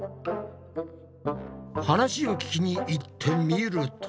話を聞きに行ってみると。